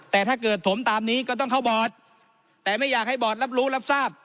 แต่ถ้าเกิดถมตามนี้ก็ต้องเข้าบอร์ดแต่ไม่อยากให้บอร์ดรับรู้รับทราบ